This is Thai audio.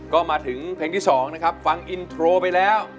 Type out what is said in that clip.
ก็มาถึงเพลงที่๒นะครับฟังอินโทรไปแล้ว